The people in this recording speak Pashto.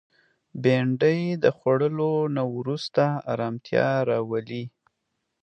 بېنډۍ د خوړلو نه وروسته ارامتیا راولي